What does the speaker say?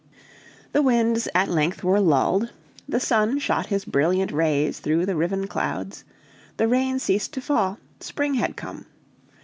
The winds at length were lulled, the sun shot his brilliant rays through the riven clouds, the rain ceased to fall spring had come.